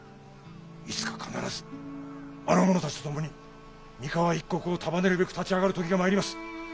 いつか必ずあの者たちと共に三河一国を束ねるべく立ち上がる時が参ります！